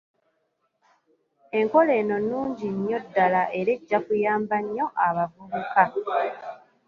Enkola eno nnungi nnyo ddala era ejja kuyamba nnyo abavubuka.